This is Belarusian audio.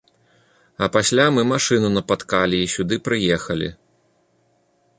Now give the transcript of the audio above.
А пасля мы машыну напаткалі і сюды прыехалі.